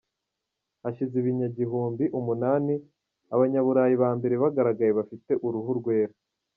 Hashize ibinyagihumbi umunani Abanyaburayi ba mbere bagaragaye bafite uruhu rwera.